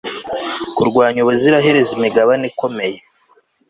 Kurwanya ubuziraherezo imigabane ikomeye